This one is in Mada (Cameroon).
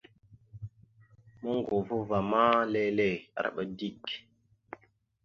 Moŋgovo ava ma lele, arəba dik.